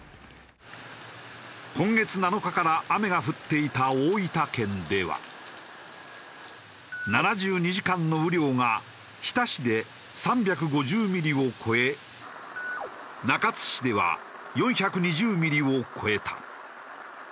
今月７日から雨が降っていた大分県では７２時間の雨量が日田市で３５０ミリを超え中津市では４２０ミリを超えた。